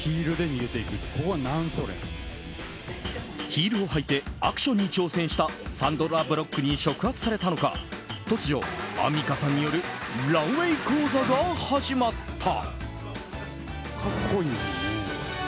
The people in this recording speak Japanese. ヒールを履いてアクションに挑戦したサンドラ・ブロックに触発されたのか突如、アンミカさんによるランウェー講座が始まった。